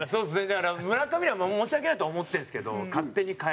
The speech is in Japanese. だから村上には申し訳ないとは思ってるんですけど。